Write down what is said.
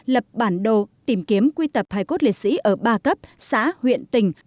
lập bản đồ tìm kiếm quy tập hài cốt liệt sĩ ở ba cấp xã huyện tỉnh